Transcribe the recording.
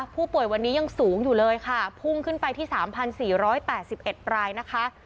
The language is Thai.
ผู้ป่วยวันนี้ยังสูงอยู่เลยค่ะพุ่งขึ้นไปที่๓๔๘๑รายนะคะ